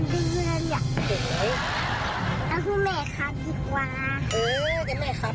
สุดท้ายของพ่อต้องรักมากกว่านี้ครับ